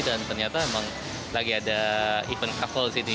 dan ternyata emang lagi ada event krovol di sini